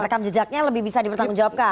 rekam jejaknya lebih bisa dipertanggung jawabkan